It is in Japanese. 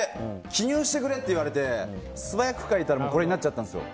記入してくれって言われて素早く書いたらこれになっちゃったんですよ。